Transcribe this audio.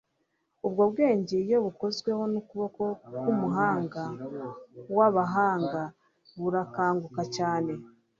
Ubwo bwenge iyo bukozweho n'ukuboko k'Umuhanga w'abahanga burakanguka cyane.